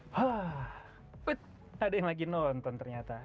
wah ada yang lagi nonton ternyata